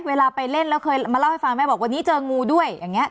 เวลาไปเล่นแล้วเคยมาเล่าให้ฟังไหมบอกวันนี้เจองูด้วยอย่างนี้